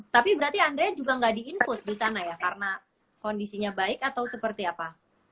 tapi berarti andre juga nggak diinfus di sana ya karena kondisinya baik atau seperti apa